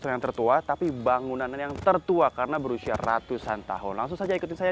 yang tertua tapi bangunan yang tertua karena berusia ratusan tahun langsung saja ikutin saya